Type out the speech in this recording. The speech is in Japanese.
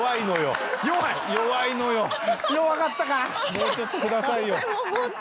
もうちょっと下さいよ。